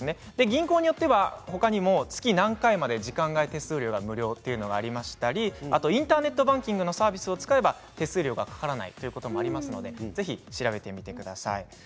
銀行によっては、ほかにも月に何回までとか時間外手数料が無料というのがありましたりインターネットバンキングのサービスを使えば手数料がかからないということもありますのでぜひ調べてみてください。